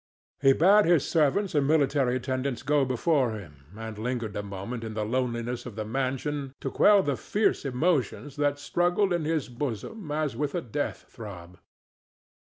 He bade his servants and military attendants go before him, and lingered a moment in the loneliness of the mansion to quell the fierce emotions that struggled in his bosom as with a death throb.